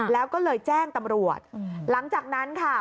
แล้วก็เลยแจ้งตำรวจหลังจากนั้นค่ะ